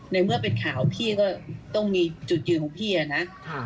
ในเมื่อเป็นข่าวพี่ก็ต้องมีจุดยืนของพี่อะนะ